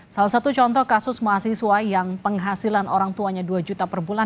salah satu contoh kasus mahasiswa yang penghasilan orang tuanya dua juta per bulan